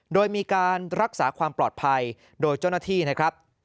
โดยมีการรักษาความปลอดภัยโดยเจ้าหน้าที่นะครับ